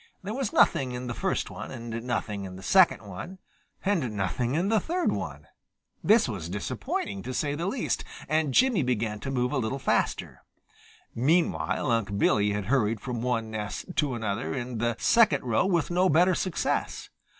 There was nothing in the first one and nothing in the second one and nothing in the third one. This was disappointing, to say the least, and Jimmy began to move a little faster. Meanwhile Unc' Billy had hurried from one nest to another in the second row with no better success.